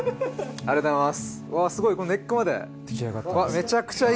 ありがとうございます。